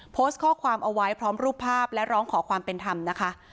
โพสต์ข้อความเอาไว้พร้อมรูปภาพและร้องขอความเป็นธรรมนะคะ